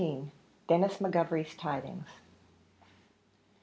DENIS M'GOVERY'S TIDINGS.